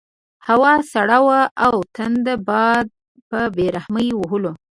هوا سړه وه او تند باد په بې رحمۍ وهلو.